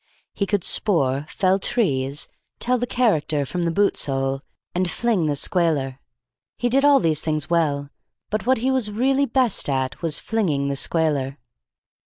He could spoor, fell trees, tell the character from the boot sole, and fling the squaler. He did all these things well, but what he was really best at was flinging the squaler.